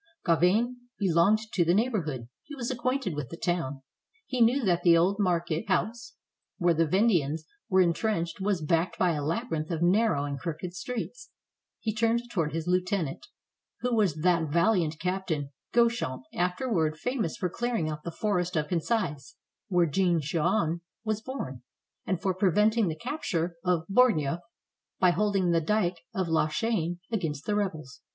Gauvain belonged to the neighborhood ; he was ac quainted with the town; he knew that the old market house where the Vendeans were intrenched was backed by a labyrinth of narrow and crooked streets. He turned toward his lieutenant, who was that valiant Captain Guechamp, afterward famous for clearing out the forest of Concise, where Jean Chouan was born, and for preventing the capture of Bourgneuf by holding the dike of La Chaine against the rebels.